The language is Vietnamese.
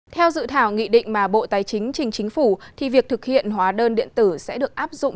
theo dự thảo nghị định mà bộ tài chính trình chính phủ thì việc thực hiện hóa đơn điện tử sẽ được áp dụng